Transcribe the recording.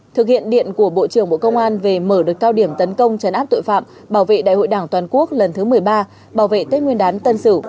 thực hiện điện của bộ trưởng bộ công an về mở được cao điểm tấn công chấn áp tội phạm bảo vệ đại hội đảng toàn quốc lần thứ một mươi ba bảo vệ tết nguyên đán tân sử